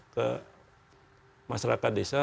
ke masyarakat desa